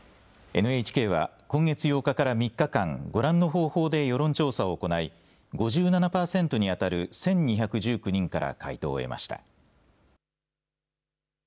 ＮＨＫは今月８日から３日間、ご覧の方法で世論調査を行い、５７％に当たる１２１９人から回答を得ました。